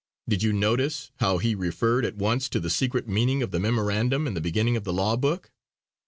Did you notice how he referred at once to the secret meaning of the memorandum in the beginning of the law book?